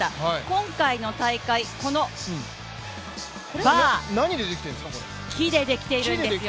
今回の大会、このバー木でできているんですよ。